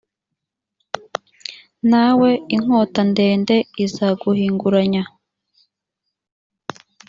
nawe inkota ndende izaguhinguranya